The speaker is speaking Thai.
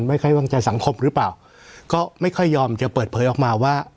ไว้วางใจสังคมหรือเปล่าก็ไม่ค่อยยอมจะเปิดเผยออกมาว่า